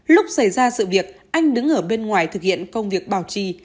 lúc xảy ra sự việc anh đứng ở bên ngoài thực hiện công việc bảo trì